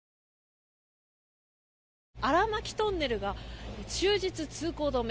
荒巻トンネルは終日通行止め。